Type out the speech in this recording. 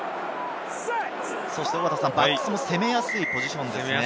バックスも攻めやすいポジションですね。